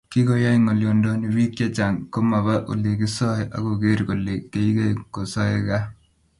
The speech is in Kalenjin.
Kikoyai ngolyondoni bik chechang komaba Ole kisoe akoker kole keikei kosae gaa